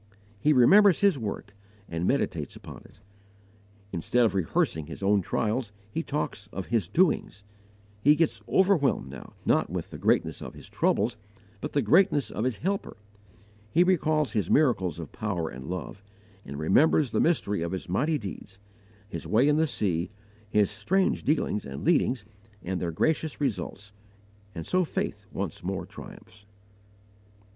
He remembers His work, and meditates upon it; instead of rehearsing his own trials, he talks of His doings. He gets overwhelmed now, not with the greatness of his troubles, but the greatness of his Helper. He recalls His miracles of power and love, and remembers the mystery of His mighty deeds His way in the sea, His strange dealings and leadings and their gracious results and so faith once more triumphs.